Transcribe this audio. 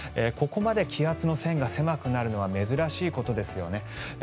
ここまで気圧の線が狭くなるのは珍しいことですよね。